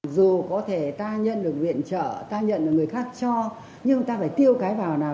để xây dựng các cơ sở hạ tầng khác nữa